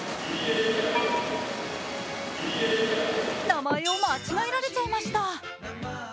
名前を間違えられちゃいました。